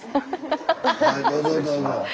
はいどうぞどうぞ。